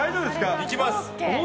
いきます！